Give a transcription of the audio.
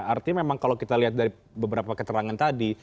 artinya memang kalau kita lihat dari beberapa keterangan tadi